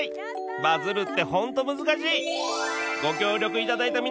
バズるってほんと難しい